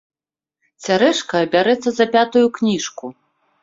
Цярэшка бярэцца за пятую кніжку.